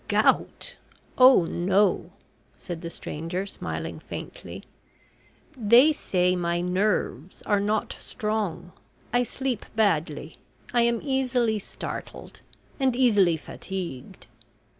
"Gout! Oh, no!" said the stranger, smiling faintly. "They say my nerves are not strong. I sleep badly, I am easily startled, and easily fatigued."